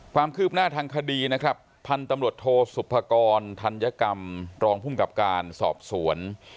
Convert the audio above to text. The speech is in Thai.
ความคืบหน้าทางคดีนะครับพันธุ์ตำรวจโทสุภกรธัญกรรมรองภูมิกับการสอบสวน